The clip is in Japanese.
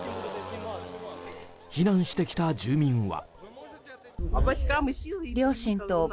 避難してきた住民は。